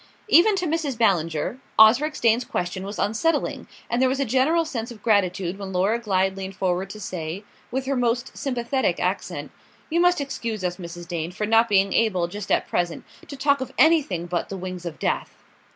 Even to Mrs. Ballinger, Osric Dane's question was unsettling, and there was a general sense of gratitude when Laura Glyde leaned forward to say, with her most sympathetic accent: "You must excuse us, Mrs. Dane, for not being able, just at present, to talk of anything but 'The Wings of Death."